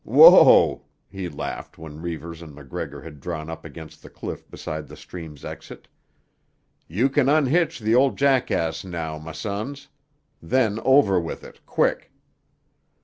"Whoa!" he laughed when Reivers and MacGregor had drawn up against the cliff beside the stream's exit. "You can unhitch tuh old jackass now, ma sons. Then over with it quick."